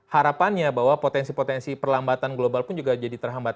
harapannya bahwa potensi potensi perlambatan global pun juga jadi terhambat